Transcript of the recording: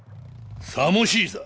さもしいさ！